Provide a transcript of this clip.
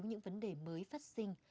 những vấn đề mới phát sinh